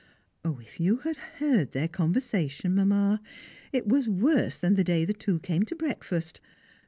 If you had heard their conversation, Mamma! It was worse than the day the two came to breakfast.